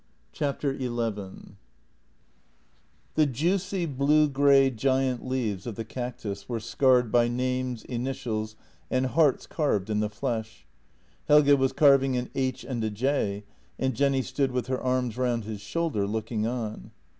JENNY "5 XI T HE juicy, blue grey giant leaves of the cactus were scarred by names, initials, and hearts carved in the flesh. Helge was carving an H and a J, and Jenny stood with her arms round his shoulder, looking on.